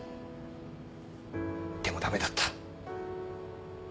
でも駄目だった。